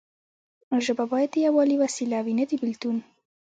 ژبه باید د یووالي وسیله وي نه د بیلتون.